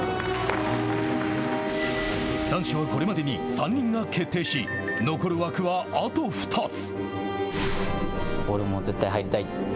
男子はこれまでに３人が決定し残る枠はあと２つ。